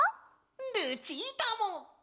ルチータも！